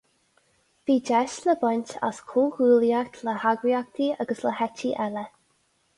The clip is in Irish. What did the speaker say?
Bhí deis le baint as comhghuaillíocht le heagraíochtaí agus le heití eile.